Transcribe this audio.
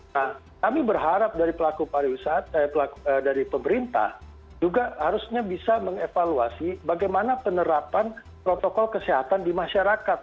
nah kami berharap dari pelaku pariwisata dari pemerintah juga harusnya bisa mengevaluasi bagaimana penerapan protokol kesehatan di masyarakat